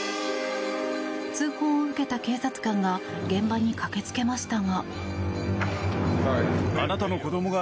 通報を受けた警察官が現場に駆けつけましたが。